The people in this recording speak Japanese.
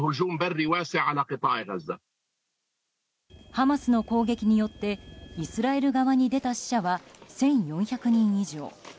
ハマスの攻撃によってイスラエル側に出た死者は１４００人以上。